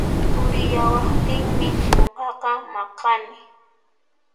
Turiyawaqtinmi nuqaqa maqani